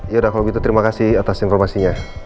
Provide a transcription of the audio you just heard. yaudah kalau begitu terima kasih atas informasinya